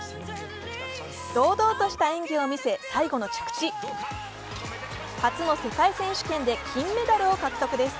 堂々とした演技を見せ、最後の着地初の世界選手権で金メダルを獲得です。